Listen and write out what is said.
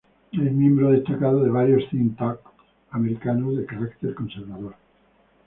Es miembro destacado de varios "think-tanks" americanos de caracter conservador.